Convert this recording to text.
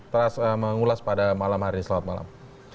terus mengulas pada malam hari selamat malam